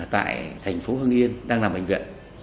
tại thành phố hưng yên đang nằm bệnh viện